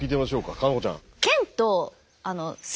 夏菜子ちゃん。